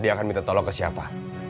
dia akan minta tolong ke siapa